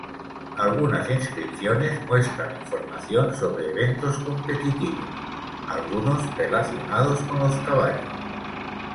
Algunas inscripciones muestran información sobre eventos competitivos, algunos relacionados con los caballos.